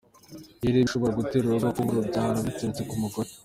Ngibi rero ibishobora gutera urugo kubura urubyaro biturutse ku mugore.